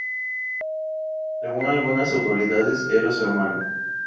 Según algunas autoridades era su hermana.